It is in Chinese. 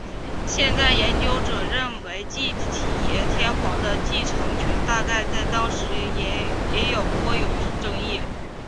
现代研究者认为继体天皇的继承权大概在当时也颇有争议。